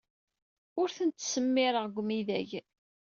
Ur ten-ttsemmireɣ deg umidag.